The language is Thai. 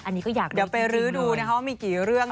เดี๋ยวไปลื้อดูนะครับว่ามีกี่เรื่อง